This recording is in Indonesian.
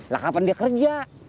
lah kapan dia kerja